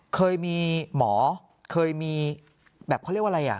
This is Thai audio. เคยมีหมอเคยมีแบบเขาเรียกว่าอะไรอ่ะ